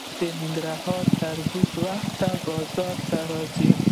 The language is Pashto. د ننګرهار تربوز وختي بازار ته راځي.